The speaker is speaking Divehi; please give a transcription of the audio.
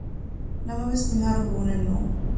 ނަމަވެސް މިހާރު ހޫނެއް ނޫން